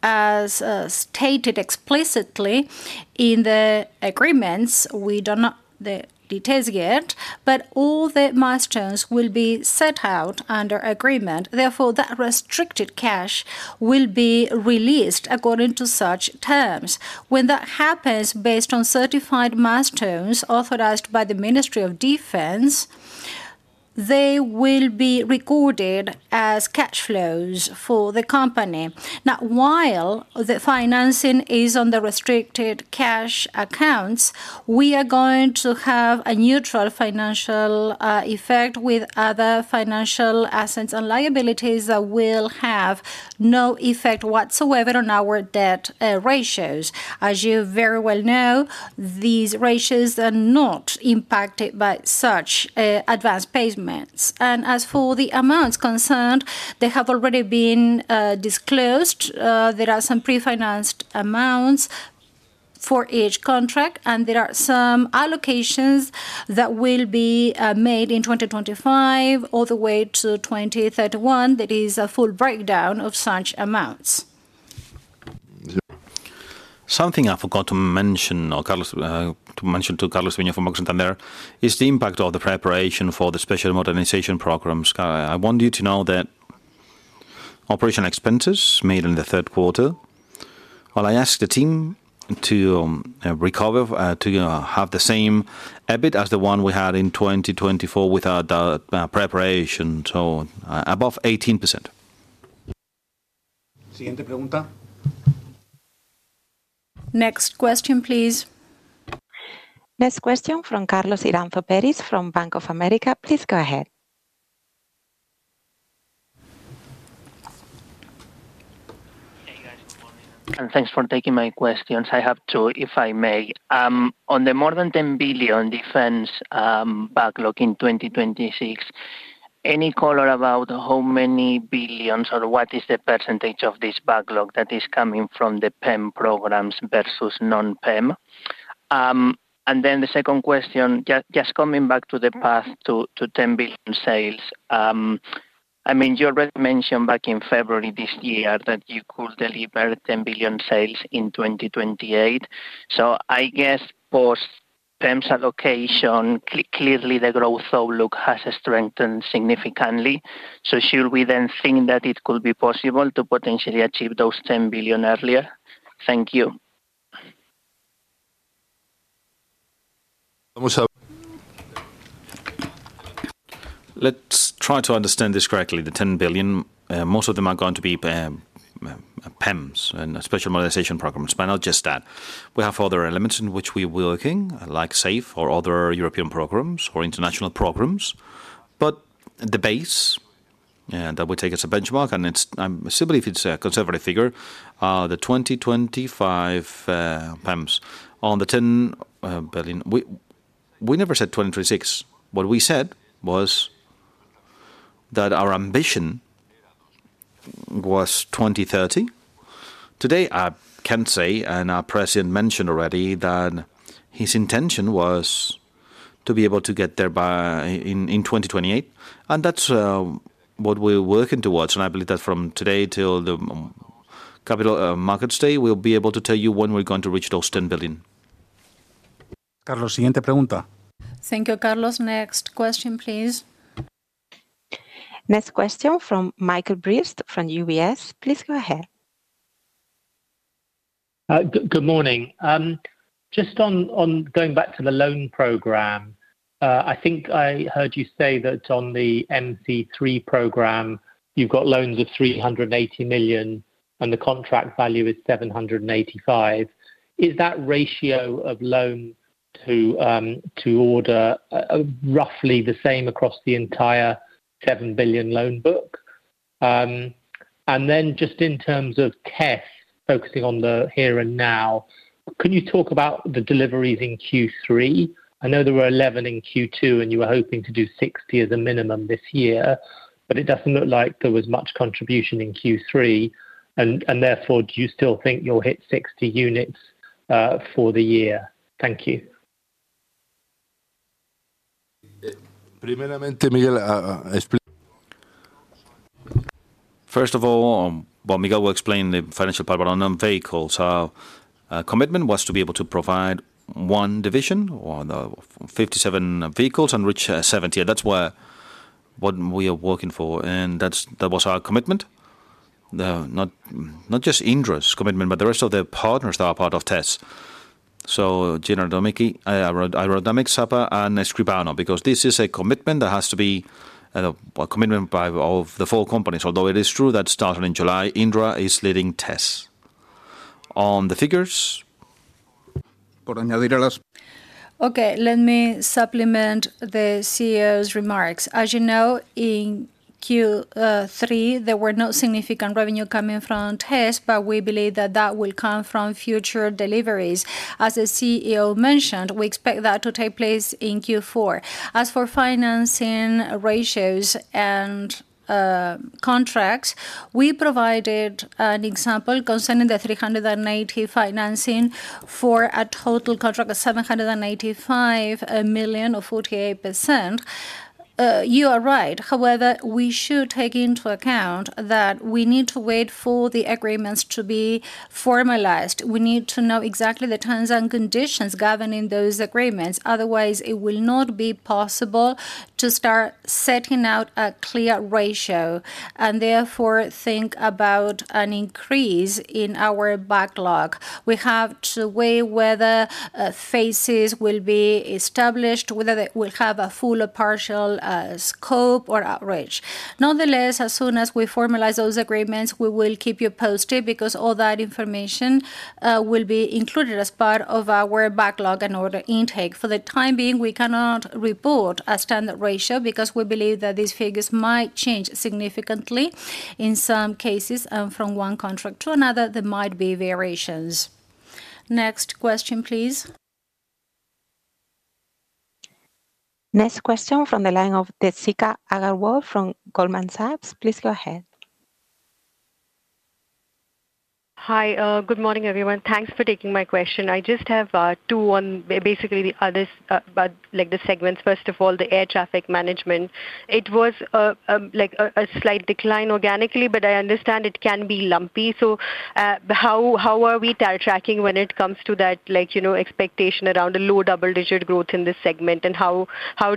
as stated explicitly in the agreements. We don't know the details yet, but all the milestones will be set out under agreement. Therefore, that restricted cash will be released according to such terms. When that happens, based on certified milestones authorized by the Ministry of Defence, they will be recorded as cash flows for the company. Now, while the financing is on the restricted cash accounts, we are going to have a neutral financial effect with other financial assets and liabilities that will have no effect whatsoever on our debt ratios. As you very well know, these ratios are not impacted by such advance payments. As for the amounts concerned, they have already been disclosed. There are some pre-financed amounts for each contract and there are some allocations that will be made in 2025, all the way to 2031. That is a full breakdown of such amounts. Something I forgot to mention to Carlos Treviño from Oxington. There is the impact of the preparation for the Special Modernization Programs. I want you to know that operation expenses made in the third quarter, I asked the team to recover to have the same EBIT as the one we had in 2024 without preparation, so above 18%. Next question, please. Next question from Carlos Iranzo Peris from Bank of America. Please go ahead. Thanks for taking my questions. I have two if I may. On the more than 10 billion defense backlog in 2026, any color about how many billions or what is the percentage of this backlog that is coming from the PEMs versus non-PEMs? The second question, just coming back to the path to 10 billion sales. I mean you already mentioned back in February this year that you could deliver 10 billion sales in 2028. I guess postponed allocation. Clearly, the growth outlook has strengthened significantly. Should we think that it could be possible to potentially achieve those 10 billion earlier? Thank you. Let's try to understand this correctly. The 10 billion, most of them are going to be PEMs and Special Modernization Programs. Not just that, we have other elements in which we're working like SAFE or other European programs or international programs, but the base that we take as a benchmark. I still believe it's a conservative figure. The 2025 PEMs on the 10 billion. We never said 2026. What we said was that our ambition was 2030. Today I can say, and our President mentioned already, that his intention was to be able to get there by 2028. That's what we're working towards. I believe that from today till the Capital Markets Day, we'll be able to tell you when we're going to reach those 10 billion. Thank you, Carlos. Next question, please. Next question from Michael Briest from UBS. Please go ahead. Good morning. Just on going back to the loan program, I think I heard you say that on the MC3 program you've got loans of 380 million and the contract value is 785 million. Is that ratio of loan to order roughly the same across the entire 7 billion loan book? In terms of just focusing on the here and now, can you talk about the deliveries in Q3? I know there were 11 in Q2 and you were hoping to do 60 as a minimum this year. It doesn't look like there was much contribution in Q3. Therefore, do you still think you'll hit 60 units for the year? Thank you. First of all, while Miguel will explain the financial part about non vehicles. Our commitment was to be able to provide one division or the 57 vehicles and reach 70. That's what we are working for and that's. That was our commitment. Not, not just Indra's commitment, but the rest of their partners that are part of TESS. So Aerodynamics, APA and Escribano. Because this is a commitment that has to be a commitment of the four companies. Although it is true that starting in July, Indra is leading TESS on the figures. Okay, let me supplement the CEO's remarks. As you know, in Q3 there were no significant revenue coming from TESS, but we believe that that will come from future deliveries. As the CEO mentioned, we expect that to take place in Q4. As for financing ratios and contracts, we provided an example concerning the $380 million financing for a total contract of $785 million or 48%. You are right. However, we should take into account that we need to wait for the agreements to be. We need to know exactly the terms and conditions governing those agreements. Otherwise, it will not be possible to start setting out a clear ratio and therefore think about an increase in our backlog. We have to weigh whether phases will be established, whether they will have a full or partial scope or outreach. Nonetheless, as soon as we formalize those agreements, we will keep you posted because all that information will be included as part of our backlog and order intake. For the time being, we cannot report a standard ratio because we believe that these figures might change significantly in some cases and from one contract to another there might be variations. Next question please. Next question. From the line of Deepshikha Agarwal from Goldman Sachs, please go ahead. Hi, good morning everyone. Thanks for taking my question. I just have two on basically the others like the segments. First of all, the air traffic management. It was a slight decline organically, but I understand it can be lumpy. How are we tracking when it comes to that expectation around a low double digit growth in this segment? How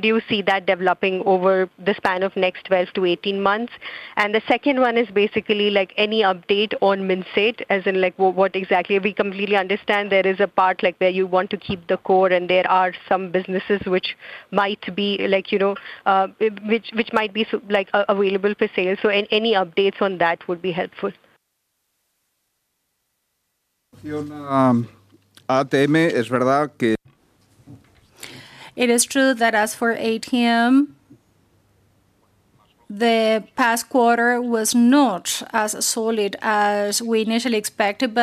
do you see that developing over the span of next 12-18 months? The second one is basically like any update on Minsait, as in like what exactly? We completely understand there is a part where you want to keep the core and there are some businesses which might be like, you know, which might be like available for sale. Any updates on that would be helpful. It is true that as for ATM, the past quarter was not as solid as we initially expected.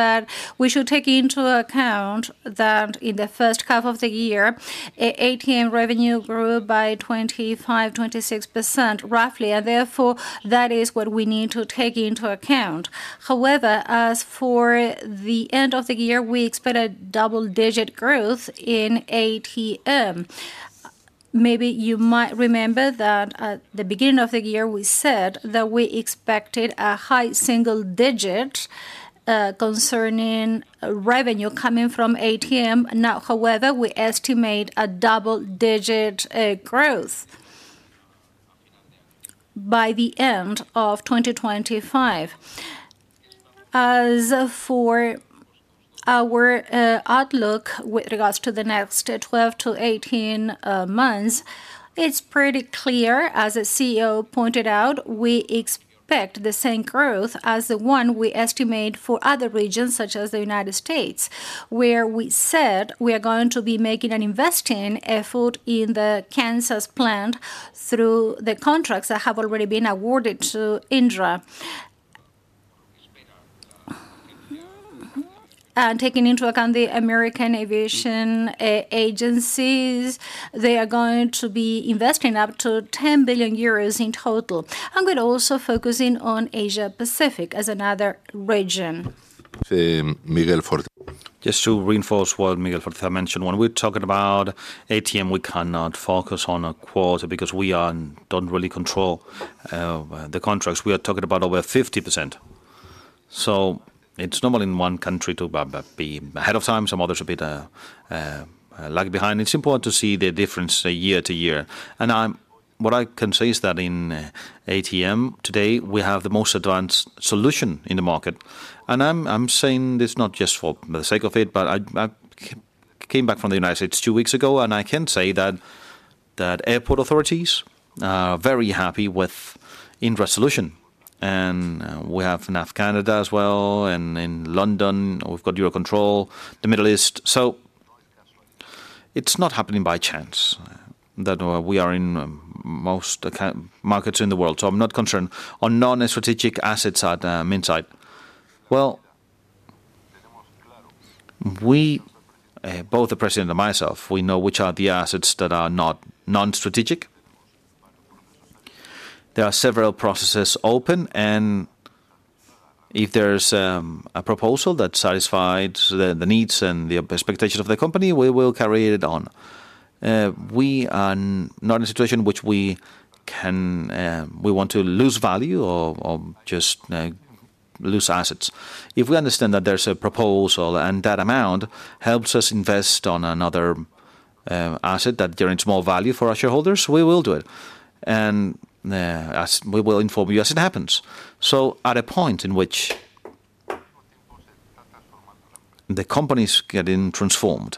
We should take into account that in the first half of the year ATM revenue grew by 25, 26% roughly and therefore that is what we need to take into account. However, as for the end of the year, we expected double-digit growth in ATM. Maybe you might remember that at the beginning of the year we said that we expected a high single digit concerning revenue coming from ATM. Now, however, we estimate a double-digit growth by the end of 2025. As for our outlook with regards to the next 12-18 months, it's pretty clear, as the CEO pointed out, we expect the same growth as the one we estimate for other regions such as the United States where we said we are going to be making an investing effort in the Kansas plant through the contracts that have already been awarded to Indra and taking into account the American aviation agencies, they are going to be investing up to 10 billion euros in total. I'm going to also focus in on Asia Pacific as another region. Just to reinforce what Miguel Forteza mentioned. When we're talking about ATM we cannot focus on a quarter because we are and don't really control the contracts. We are talking about over 50%. It's normal in one country to be ahead of time, some others a bit lagging behind. It's important to see the difference year-to-year. What I can say is that in ATM today we have the most advanced solution in the market. I'm saying this not just for the sake of it, but I came back from the United States two weeks ago and I can say that airport authorities are very happy with Indra solution and we have Nav Canada as well. In London we've got EUROCONTROL, the Middle East. It's not happening by chance that we are in most markets in the world. I'm not concerned on non-strategic assets at Minsait. Both the President and myself, we know which are the assets that are not non-strategic. There are several processes open and if there's a proposal that satisfies the needs and the expectations of the company, we will carry it on. We are not in a situation in which we want to lose value or just if we understand that there's a proposal and that amount helps us invest on another asset that generates more value for our shareholders, we will do it and we will inform you as it happens. At a point in which the company's getting transformed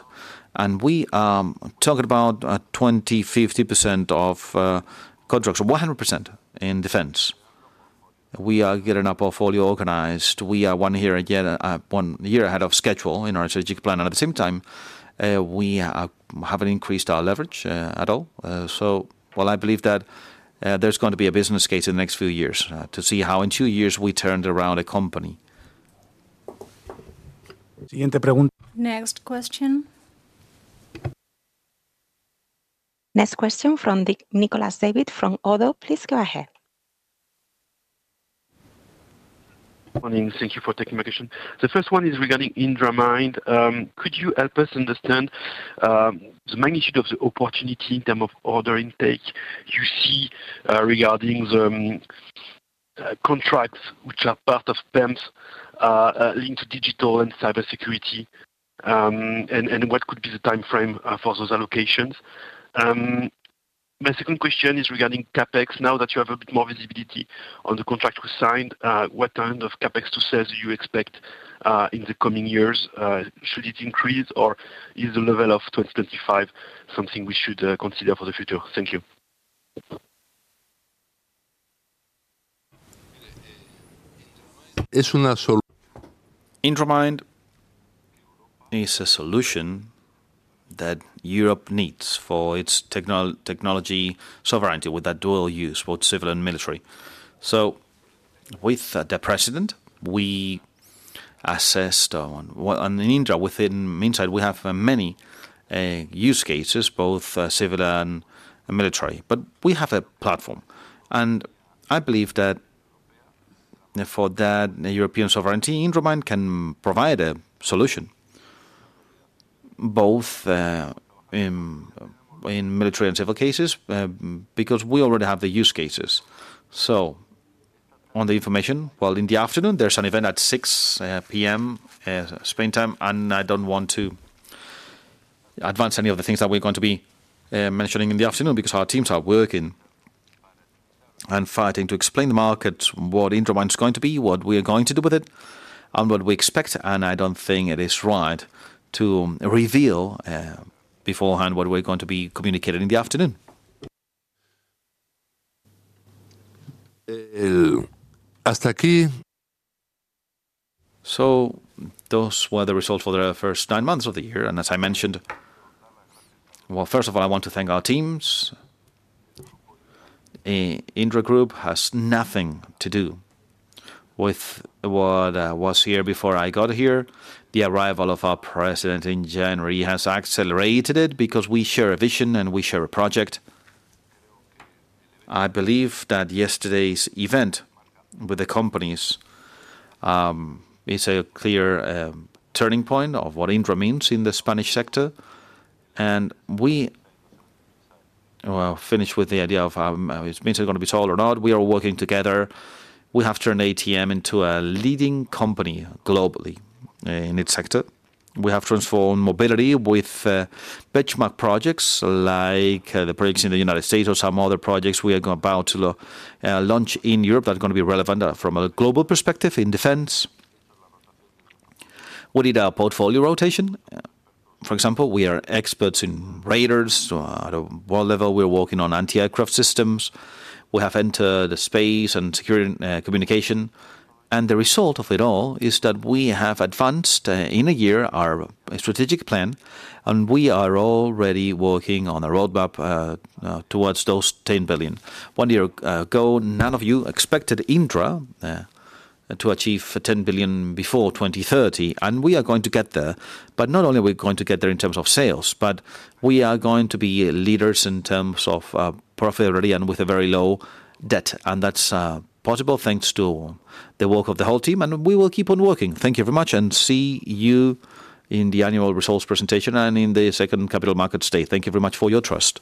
and we are talking about 20%, 50% of contracts, 100% in defense, we are getting our portfolio organized. We are one year, again, one year ahead of schedule in our strategic plan and at the same time we haven't increased our leverage at all. I believe that there's going to be a business case in the next few years to see how in two years we turned around a company. Next question. Next question from Nicolas David at ODDO. Please go ahead. Thank you for taking my question. The first one is regarding IndraMind. Could you help us understand the magnitude of the opportunity in terms of order intake? You see, regarding the contracts which are part of PEMs, linked to digital and cybersecurity, and what could be the time frame for those allocations? My second question is regarding CapEx. Now that you have a bit more visibility on the contract we signed, what kind of CapEx to sales do you expect in the coming years? Should it increase or is the level of 2025 something we should consider for the future? Thank you. IndraMindis a solution that Europe needs for its technology sovereignty with a dual use, both civil and military. With the President, we assessed within Minsait we have many use cases, both civil and military, but we have a platform and I believe that for that European sovereignty IndraMindcan provide a solution both in military and civil cases because we already have the use cases. On the information, in the afternoon there's an event at 6:00 P.M. Spain time and I don't want to advance any of the things that we're going to be mentioning in the afternoon because our teams are working and fighting to explain to the market what IndraMind is going to be, what we are going to do with it, and what we expect. I don't think it is right to reveal beforehand what we're going to be communicating in the afternoon. Those were the results for the first nine months of the year. First of all, I want to thank our teams. Indra Group has nothing to do with what was here before I got here. The arrival of our President in January has accelerated it because we share a vision and we share a project. I believe that yesterday's event with the companies is a clear turning point of what Indra means in the Spanish sector and we finish with the idea of Minsait's going to be sold or not. We are working together. We have turned air traffic management into a leading company globally in its sector. We have transformed mobility with benchmark projects like the projects in the United States. or some other projects we are about to launch in Europe that are going to be relevant from a global perspective. In defense, we did our portfolio rotation. For example, we are experts in radars at a world level. We are working on anti-aircraft systems, we have entered space and security communication, and the result of it all is that we have advanced in a year our strategic plan and we are already working on a roadmap towards those 10 billion. One year ago, none of you expected Indra to achieve 10 billion before 2030. We are going to get there. Not only are we going to get there in terms of sales, but we are going to be leaders in terms of profitability and with a very low debt. That's possible thanks to the work of the whole team. We will keep on working. Thank you very much and see you in the annual results presentation and in the second Capital Markets Day. Thank you very much for your trust.